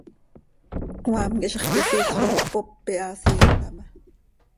Cmaam quih zixquisiil com cpop iha, siim taa ma.